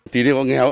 tiêu chí hộ nghèo